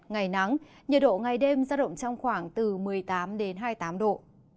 ngày nắng nhiệt độ ngày đêm ra động trong khoảng từ một mươi tám đến hai mươi tám độ